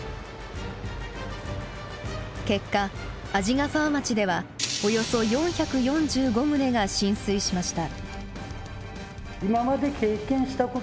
結果鰺ヶ沢町ではおよそ４４５棟が浸水しました。